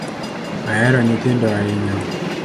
Ahero nyithindo ahinya.